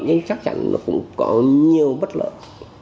nhưng chắc chắn nó cũng có nhiều bất lợi